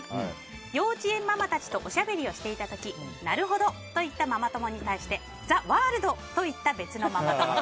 幼稚園ママたちとおしゃべりをしていた時なるほどと言ったママ友に対して「ザ・ワールド」と言った別のママ友。